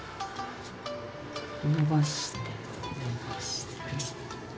伸ばして、伸ばして。